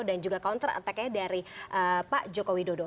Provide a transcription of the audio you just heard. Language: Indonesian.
dan juga counter attack nya dari pak joko widodo